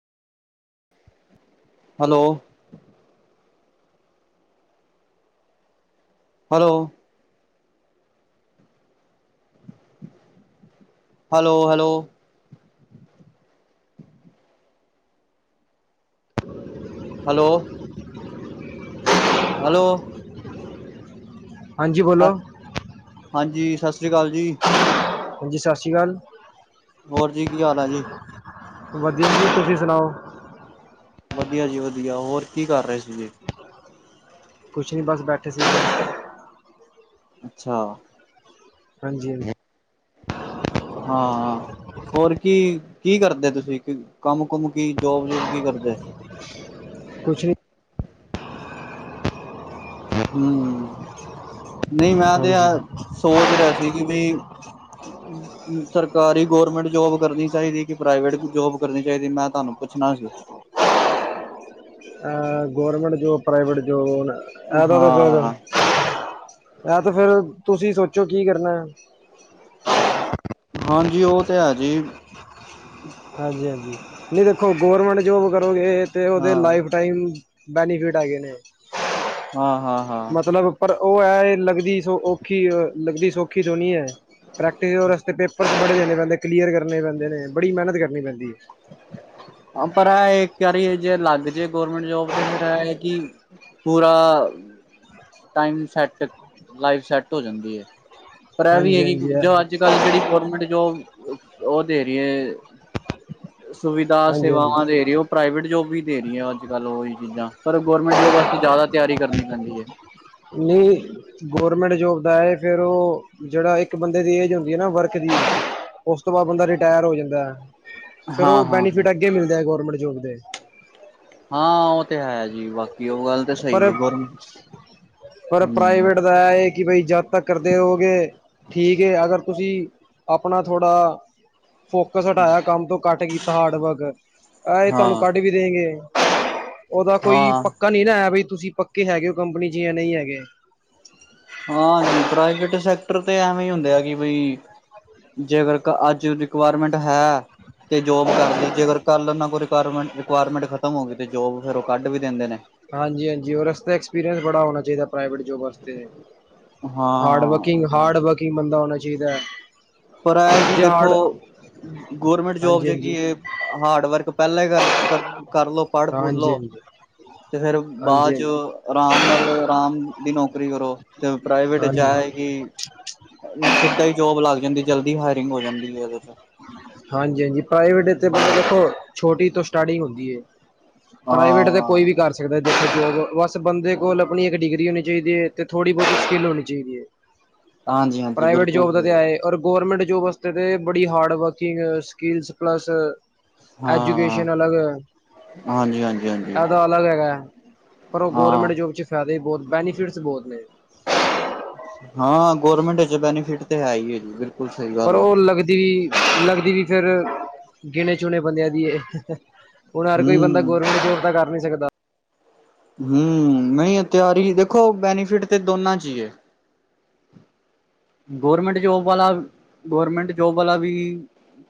Hello. Hello. Hello hello [unintelligible] hello. Hello. ਹਾਂਜੀ ਬੋਲੋ। ਹਾਂਜੀ ਸਸ ਸ਼੍ਰੀ ਕਾਲ ਜੀ। ਹਾਂਜੀ ਸਸ ਸ਼੍ਰੀ ਕਾਲ। ਹੋਰ ਜੀ ਕੀ ਹਾਲ ਆ ਜੀ? ਵਧੀਆ ਜੀ ਤੁਸੀਂ ਸੁਣਾਓ? ਵਧੀਆ ਜੀ ਵਧੀਆ ਹੋਰ ਕੀ ਕਰ ਰੇ ਸੀਗੇ? ਕੁਛ ਨੀ ਬਸ ਬੈਠੇ ਸੀ। ਅੱਛਾ। ਹਾਂਜੀ-ਹਾਂਜੀ ਹਾਂ। ਹੋਰ ਕੀ-ਕੀ ਕਰਦੇ ਤੁਸੀਂ ਕੰਮ ਕੁਮ ਕੀ ਜੋਬ-ਜੁਬ ਕੀ ਕਰਦੇ? ਕੁੱਛ ਨੀ‌। ਹੂੰ-ਹੂੰ ਨਈ ਮੈਂ ਤੇ ਆ ਹਾਂਜੀ ਸੋਚ ਰਿਆ ਸੀ ਕੀ ਬਈ [unintelligible] ਸਰਕਾਰੀ ਗੋਰਮੈਂਟ ਜੋਬ ਕਰਨੀ ਚਾਈਦੀ ਕੀ ਪ੍ਰਾਈਵੇਟ ਜੋਬ ਕਰਨੀ ਚਾਈਦੀ ਮੈਂ ਤੁਹਾਨੂੰ ਪੁੱਛਣਾ ਸੀ? ਅਹ ਗੌਰਮੈਂਟ ਜੋਬ ਪ੍ਰਾਈਵੇਟ ਜੋਬ ਐਦਾ ਤੇ ਫੇਰ ਹਾਂ ਐ ਤੇ ਫੇਰ ਤੁਸੀਂ ਸੋਚੋ ਕੀ ਕਰਨੈ। ਹਾਂਜੀ ਓ ਤੇ ਹੈ ਜੀ। ਹਾਂਜੀ-ਹਾਂਜੀ ਨਈ ਦੇਖੋ ਗਰਮੈਂਟ ਜੋਬ ਕਰੋਗੇ ਤੇ ਓਦੇ ਹਾਂ ਲਾਈਫ ਟਾਈਮ ਬੈਨੀਫਿਟ ਹੈਗੇ ਨੇ। ਹਾਂ-ਹਾਂ। ਮਤਲਬ ਪਰ ਓ ਐ ਏ ਲੱਗਦੀ ਸੋ ਔਖੀ ਲੱਗਦੀ ਸੌਖੀ ਸੋਣੀ ਐ। ਪ੍ਰੈਕਟਿਸ ਓਦੇ ਵਾਸਤੇ ਪੇਪਰ ਬੜੇ ਦੇਣੇ ਪੈਂਦੇ, ਕਲੀਅਰ ਕਰਨੇ ਪੈਂਦੇ ਨੇ ਬੜੀ ਮੇਹਨਤ ਕਰਨੀ ਪੈਂਦੀ ਏ। ਪਰ ਐ ਇੱਕ ਵਾਰੀ ਜੇ ਲੱਗ ਜੇ ਗੌਰਮੈਂਟ ਜੋਬ ਤੇ ਫੇਰ ਐ ਕੀ ਪੂਰਾ ਟਾਈਮ ਸੈਟ ਲਾਈਫ ਸੈਟ ਹੋ ਜਾਂਦੀ ਐ। ਪਰ ਐ ਵੀ ਹਾਂਜੀ ਹੈ ਕੀ ਹਾਂਜੀ ਜੋ ਅੱਜ-ਕੱਲ ਜੇੜੀ ਗੌਰਮੈਂਟ ਜੋਬ ਓ ਦੇ ਰੀਐ ਹਾਂਜੀ ਹਾਂਜੀ ਸੁਵਿਧਾ-ਸੇਵਾਵਾਂ ਦੇਰੀ ਓ ਪ੍ਰਾਈਵੇਟ ਜੋਬ ਵੀ ਦੇ ਰੀਐ ਅੱਜ-ਕੱਲ੍ਹ ਓਹੀ ਚੀਜ਼ਾਂ ਪਰ ਗੌਰਮੈਂਟ ਜੋਬ ਵਾਸਤੇ ਜਾਦਾ ਤਿਆਰੀ ਕਰਨੀ ਪੈਂਦੀ ਐ। ਨਈ ਗੌਰਮੈਂਟ ਜੋਬ ਦਾ ਐ ਫੇਰ ਓ ਜਿਹੜਾ ਇੱਕ ਬੰਦੇ ਦੀ ਏਜ ਹੁੰਦੀ ਹੈ ਨਾ ਵਰਕ ਦੀ ਉਸ ਤੋਂ ਬਾਅਦ ਬੰਦਾ ਰਿਟਾਇਰ ਹੋ ਜਾਂਦਾ। ਫੇਰ ਹਾਂ ਉਹ ਹਾਂ ਹਾਂ। ਬੈਨੀਫਿਟ ਅੱਗੇ ਮਿਲਦੇ ਹੈ ਗੌਰਮੈਂਟ ਜੋਬ ਦੇ। ਹਾਂ ਉਹ ਤੇ ਹੈ ਜੀ ਬਾਕੀ ਉਹ ਗੱਲ ਤਾਂ ਸਹੀ ਪਰ ਹੈ ਗੌਰਮੈਂਟ ਪਰ ਹਮ। ਪ੍ਰਾਈਵੇਟ ਕਿ ਬਾਈ ਜਦ ਤੱਕ ਕਰਦੇ ਰੋਗੇ ਠੀਕ ਹੈ ਅਗਰ ਤੁਸੀਂ ਆਪਣਾ ਥੋੜਾ ‍‍‍ ਫੋਕਸ ਹਟਾਇਆ ਕੰਮ ਤੋਂ ਕੱਟ ਕੀਤਾ ਹਾਰਡ ਵਰਕ ਇਹ ਤੁਹਾਨੂੰ ਹਾਂ ਕੱਢ ਵੀ ਦੇ ਉਹਦਾ ਕੋਈ ਹਾਂ ਪੱਕਾ ਨਹੀਂ। ਬਈ ਤੁਸੀਂ ਪੱਕੇ ਹੈਗੇ ਹੋ ਕੰਪਨੀ ਚ ਜਾਂ ਨਹੀਂ ਹੈਗੇ। ਹਾਂਜੀ ਪ੍ਰਾਈਵੇਟ ਸੈਕਟਰ ਤੇ ਐਵੇਂ ਹੀ ਹੁੰਦੇ ਆ ਕਿ ਬਈ ਜੇਕਰ ਅੱਜ ਰਿਕੁਆਇਰਮੈਂਟ ਹੈ। ਤੇ ਜੋਬ ਕਰ ਲਈ ਜੇ ਅਗਰ ਕੱਲ ਇਨਾਂ ਕੋ ਰਿਕੁਆਇਰਮੈਂਟ ਖਤਮ ਹੋ ਗਈ ਤੇ ਜੋਬ ਫੇਰ ਉਹ ਕੱਢ ਵੀ ਦਿੰਦੇ ਨੇ। ਹਾਂਜੀ ਹਾਂਜੀ ਔਰ ਇਸ ਵਾਸਤੇ ਐਕਸਪੀਰੀਅੰਸ ਬੜਾ ਹੋਣਾ ਚਾਹੀਦਾ ਪ੍ਰਾਈਵੇਟ ਜੋਬ ਵਸਤੇ। ਹਾਰਡ ਵਰਕਿੰਗ ਹਾਂ ਹਾਰਡ ਵਰਕਿੰਗ ਬੰਦਾ ਹੋਣਾ ਚਾਹੀਦਾ ਹੈ। ਪਰ ਐ ਕਿ ਜੇ ਦੇਖੋ ਹਾਰਡ ਗੌਰਮੈਂਟ ਜੋਬ ਹਾਂਜੀ ਹਾਂਜੀ ਚੰਗੀ ਹੈ। ਹਾਰਡ ਵਰਕ ਪੋਯਲਾਂ ਕਰ ਕਰ ਲੋ। ਪੜ੍ਹ ਪੁੜ ਹਾਂਜੀ ਲੋਓ ਹਾਂਜੀ ਤੇ ਫੇਰ ਬਾਅਦ ਹਾਂਜੀ ਚ ਆਰਾਮ ਨਾਲ ਆਰਾਮ ਦੀ ਨੌਕਰੀ ਕਰੋ ਤੇ ਪ੍ਰਾਈਵੇਟ ਚ ਹਾਂਜੀ ਹੈ ਕਿ ਸਿੱਧਾ ਹੀ ਜੋਬ ਲੱਗ ਜਾਂਦੀ ਜਲਦੀ ਹਾਇਰਿੰਗ ਹੋ ਜਾਂਦੀ ਹੈ ਉਹਦੇ ਚ। ਹਾਂਜੀ ਹਾਂਜੀ ਪ੍ਰਾਈਵੇਟ ਹਾਂ ਦੇਖੋ ਛੋਟੀ ਤੋਂ ਸਟਾਰਟਿੰਗ ਹੁੰਦੀ ਹੈ ਪ੍ਰਾਈਵੇਟ ਦੇ ਕੋਈ ਹਾਂ ਵੀ ਕਰ ਸਕਦਾ ਦੇਖੇ ਬਸ ਬੰਦੇ ਕੋਲ ਆਪਣੀ ਇੱਕ ਡਿਗਰੀ ਹੋਣੀ ਚਾਹੀਦੀ ਹੈ ਅਤੇ ਥੋੜ੍ਹੀ ਬੋਤੀ ਸਕਿੱਲ ਹੋਣੀ ਚਾਹੀਦੀ ਹੈ। ਹਾਂਜੀ ਹਾਂਜੀ ਪ੍ਰਾਈਵੇਟ ਬਿਲਕੁਲ ਜੋਬ ਦਾ ਸਹੀ ਤੇ ਗੱਲ। ਐਹੈ। ਔ ਗੌਰਮੈਂਟ ਜੋਬ ਵਾਸਤੇ ਤਾਂ ਬੜੀ ਹਾਰਡ ਵਰਕਿੰਗ, ਸਕਿੱਲਸ ਪਲੱਸ ਹਾਂ ਐਜੂਕੇਸ਼ਨ ਅਲੱਗ ਹਾਂਜੀ ਹਾਂਜੀ ਹਾਂਜੀ ਇਦਾ ਅਲੱਗ ਹੈਗਾ ਹੈ ਪਰ ਉਹ ਹਾਂ ਗੌਰਮੈਂਟ ਜੋਬ ਚ ਫਾਇਦੇ ਬੋਤ ਬੈਨੀਫਿਟਸ ਬੌਤ ਨੇ। ਹਾਂ ਗੌਰਮੈਂਟ ਚ ਬੈਨੀਫਿਟ ਤੇ ਹੈ ਹੀ ਹੈ ਜੀ ਬਿਲਕੁਲ। ਸਹੀ ਪਰ ਗੱਲ ਆ ਉਹ ਲੱਗਦੀ ਵੀ ਲੱਗਦੀ ਵੀ ਫੇਿਰ ਗਿਣੇ ਚੁਣੇ ਬੰਦਿਆਂ ਦੀ ਹੁਣ ਹਰ ਕੋਈ ਬੰਦਾ ਹਮ ਗੌਰਮੈਂਟ ਜੋਬ ਤਾਂ ਕਰ ਨੀ ਸਕਦਾ। ਹਮ ਨਹੀਂ ਤਿਆਰੀ ਦੇਖੋ ਬੈਨੀਫਿਟ ਤੇ ਦੋਨਾਂ ਚ ਹੀ ਹੈ। ਗੌਰਮੈਂਟ ਜੋਬ ਵਾਲਾ ਗੌਰਮੈਂਟ ਜੋਬ ਵਾਲਾ ਵੀ